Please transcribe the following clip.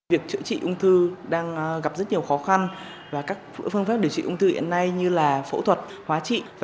việc chữa trị ung thư đang gặp rất nhiều khó khăn và các phương pháp điều trị ung thư hiện nay như là phẫu thuật hóa trị